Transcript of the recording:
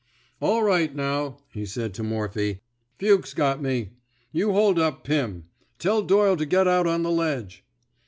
All right, now," he said to Morphy. '' Fuchs' got me. You hold up Pim. Tell Doyle to get out on the ledge."